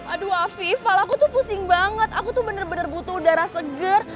aduh afif kalau aku tuh pusing banget aku tuh bener bener butuh udara segar